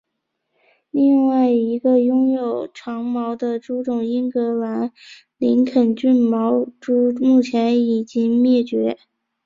另外一个拥有长毛的猪种英格兰林肯郡卷毛猪目前已经灭绝。